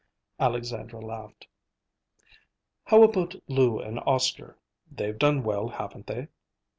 Alexandra laughed. "How about Lou and Oscar? They've done well, haven't they?"